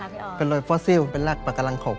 นี่เป็นเลยฟอสิวเป็นรกประกังลังเขาแกวง